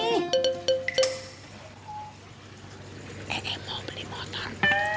eh eh mau beli motor